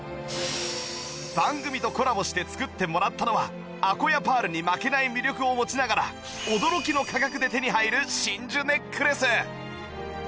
番組とコラボして作ってもらったのはアコヤパールに負けない魅力を持ちながら驚きの価格で手に入る真珠ネックレス